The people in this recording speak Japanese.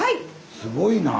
すごいなあ。